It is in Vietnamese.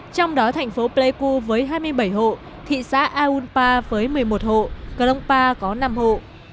trong đó thành phố pleiku với hai mươi bảy hộ thị xã aung pa với một mươi một hộ cờ đông pa có năm hộ